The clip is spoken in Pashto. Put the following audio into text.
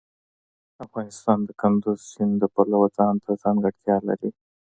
افغانستان د کندز سیند د پلوه ځانته ځانګړتیا لري.